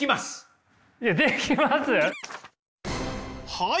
はい！